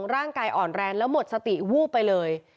ร่างกายอ่อนแรงแล้วหมดสติวูบไปเลย